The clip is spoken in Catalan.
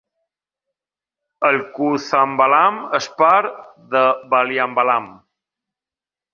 El koothambalam és part de Valiambalam.